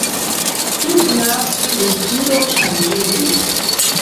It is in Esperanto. Sed la strukturo ŝanĝiĝis.